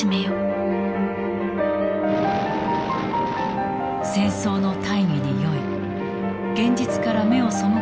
戦争の大義に酔い現実から目を背けた大日本帝国。